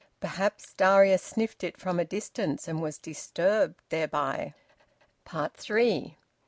Perhaps Darius sniffed it from a distance, and was disturbed thereby. THREE.